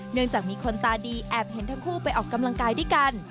เนื่องจากมีคนตาดีแอบเห็นทั้งคู่ไปออกกำลังกายด้วยกัน